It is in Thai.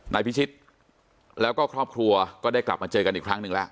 นายพิชิตแล้วก็ครอบครัวก็ได้กลับมาเจอกันอีกครั้งหนึ่งแล้ว